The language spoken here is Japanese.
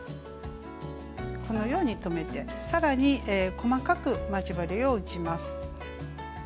このように留めてさらに細かく待ち針を打ちます。